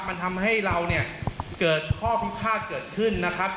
มันทำให้เราเนี่ยเกิดข้อพิพาทเกิดขึ้นนะครับ